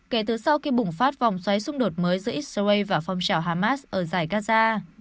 kể từ sau khi bùng phát vòng xoáy xung đột mới giữa israel và phong trào hamas ở giải gaza